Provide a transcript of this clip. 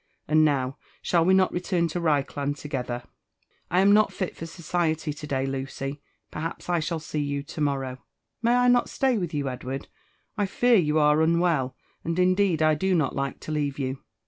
And now, shall we not return to Reichland together?" "I am not fit for society to day, Lucy: perhaps I shall see you to morrow." "May I dot stay with you, Edward? I fear you are unwell, ^ and indeed I do not like to leave you."